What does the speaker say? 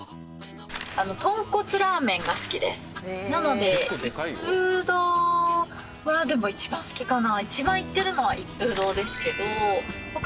なので一風堂はでも一番好きかな。